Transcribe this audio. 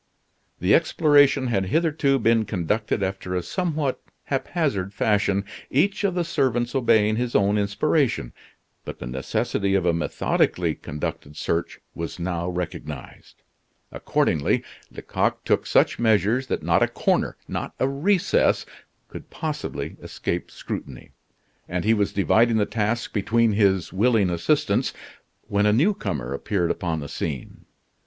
The exploration had hitherto been conducted after a somewhat haphazard fashion, each of the servants obeying his own inspiration; but the necessity of a methodically conducted search was now recognized. Accordingly, Lecoq took such measures that not a corner, not a recess, could possibly escape scrutiny; and he was dividing the task between his willing assistants, when a new comer appeared upon the scene.